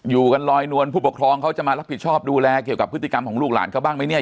อยู่กันลอยนวลผู้ปกครองเขาจะมารับผิดชอบดูแลเกี่ยวกับพฤติกรรมของลูกหลานเขาบ้างไหมเนี่ย